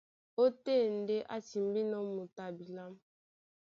Ótên ndé á timbínɔ́ moto a bilá.